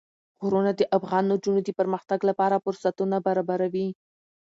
غرونه د افغان نجونو د پرمختګ لپاره فرصتونه برابروي.